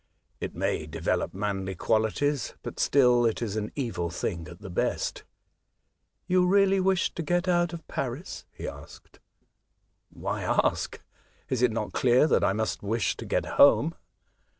It may develope manly qualities, but still it is an evil thing at the best.'' " You really wish to get out of Paris ?" he asked. " Why ask ? Is it not clear that I must wish to get home